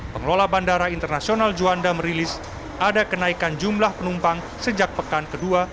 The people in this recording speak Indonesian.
pengelola bandara internasional juanda merilis ada kenaikan jumlah penumpang sejak pekan kedua